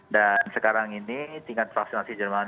dan sekarang ini tingkat vaksinasi jerman